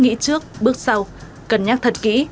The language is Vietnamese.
nghĩ trước bước sau cân nhắc thật kỹ